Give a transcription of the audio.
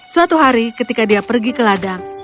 suatu hari ketika dia pergi ke ladang